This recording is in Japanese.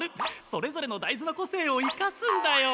それぞれのだいずの個性を生かすんだよ。